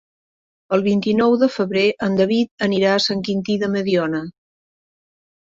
El vint-i-nou de febrer en David anirà a Sant Quintí de Mediona.